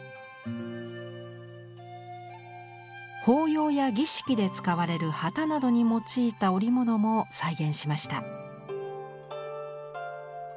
法要や儀式で使われる旗などに用いた織物も再現しました。